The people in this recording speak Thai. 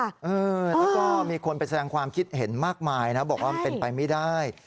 แล้วก็มีคนไปแสดงความคิดเห็นมากมายนะบอกว่ามันเป็นไปไม่ได้